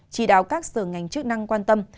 chỉ đáo các sở ngành chức năng quan tâm